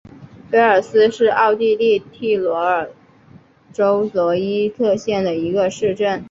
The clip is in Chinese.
菲尔斯是奥地利蒂罗尔州罗伊特县的一个市镇。